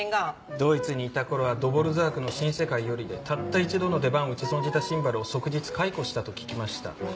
ドイツにいた頃はドヴォルザークの『新世界より』でたった一度の出番を打ち損じたシンバルを即日解雇したと聞きました。